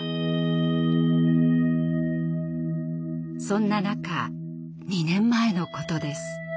そんな中２年前のことです。